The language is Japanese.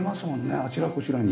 あちらこちらに。